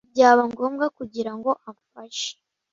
Byaba ngombwa kugira ngo afashe